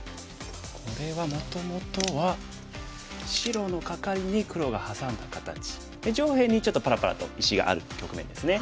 これはもともとは白のカカリに黒がハサんだ形。で上辺にちょっとぱらぱらと石がある局面ですね。